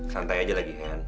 santai aja lagi hen